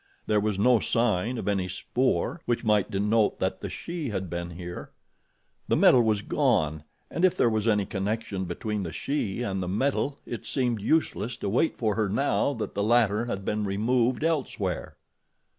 There was no sign of any spoor which might denote that the she had been here. The metal was gone, and if there was any connection between the she and the metal it seemed useless to wait for her now that the latter had been removed elsewhere.